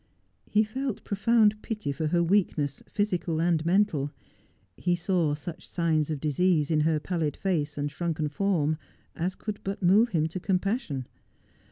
He felt profound pity for her weakness, physical and mental. He saw such signs of disease in her pallid face and shrunken form as could but move him to compassion.